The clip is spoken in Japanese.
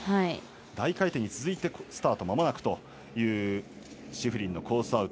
大回転に続いてスタートまもなくというシフリンのコース